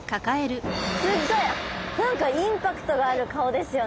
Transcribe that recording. すっごい何かインパクトがある顔ですよね。